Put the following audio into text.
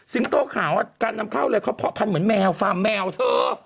โต้ขาวการนำเข้าเลยเขาเพาะพันธุ์เหมือนแมวฟาร์มแมวเธอ